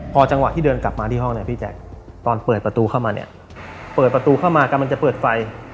พอจังหวะที่เดินกลับมาที่ห้องเนี่ยพี่แจ๊คตอนเปิดประตูเข้ามาเนี่ยเปิดประตูเข้ามากำลังจะเปิดไฟ